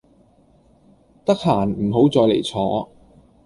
得閒唔好再嚟坐